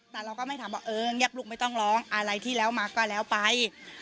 แต่เราก็ไม่ถามว่าเออเงียบลูกไม่ต้องร้องอะไรที่แล้วมาก็แล้วไป